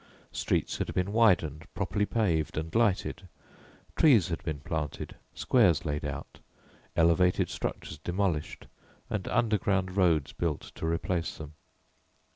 Streets had been widened, properly paved and lighted, trees had been planted, squares laid out, elevated structures demolished and underground roads built to replace them.